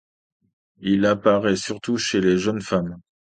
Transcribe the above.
Il apparaît surtout chez les jeunes femmes.